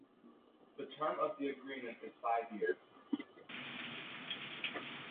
The term of the agreement is five years.